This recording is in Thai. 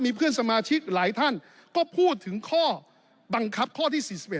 เพื่อนสมาชิกหลายท่านก็พูดถึงข้อบังคับข้อที่๔๑